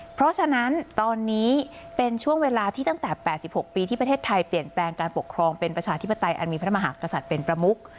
เพราะฉะนั้นตอนนี้เป็นช่วงเวลาที่ตั้งแต่๘๖ปีที่ประเทศไทยเปลี่ยนแปลงการปกครองเป็นประชาธิปไตยอันมีพระมหากษัตริย์เป็นประมุก